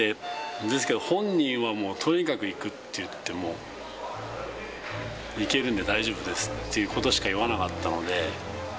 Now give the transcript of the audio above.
ですけど、本人はとにかく行くって言って、もう、行けるんで大丈夫ですってことしか言わなかったので。